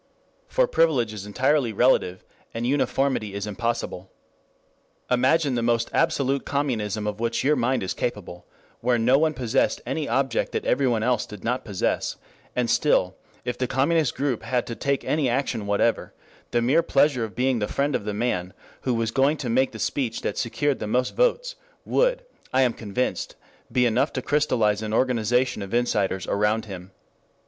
For privilege is entirely relative, and uniformity is impossible. Imagine the most absolute communism of which your mind is capable, where no one possessed any object that everyone else did not possess, and still, if the communist group had to take any action whatever, the mere pleasure of being the friend of the man who was going to make the speech that secured the most votes, would, I am convinced, be enough to crystallize an organization of insiders around him.